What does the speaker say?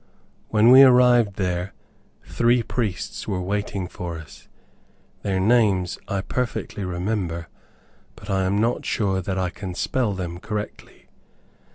When we arrived there, three priests were waiting for us. Their names I perfectly remember, but I am not sure that I can spell them correctly.